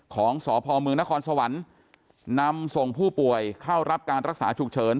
ของสพมนครสวรรค์นำส่งผู้ป่วยเข้ารับการรักษาฉุกเฉิน